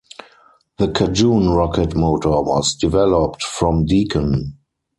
The Cajun rocket motor was developed from Deacon.